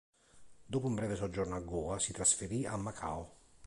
Dopo un breve soggiorno a Goa si trasferì a Macao.